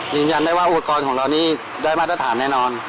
ยืนยันได้ว่าอุปกรณ์ของเรานี่ได้มาตรฐานแน่นอน